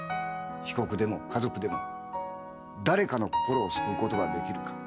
被告でも家族でも誰かの心を救うことができるか。